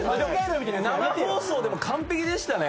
生放送でも完璧でしたね。